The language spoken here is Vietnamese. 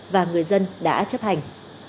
và người dân đã chấp hành